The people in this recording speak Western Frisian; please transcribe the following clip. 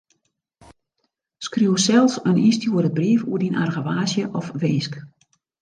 Skriuw sels in ynstjoerde brief oer dyn argewaasje of winsk.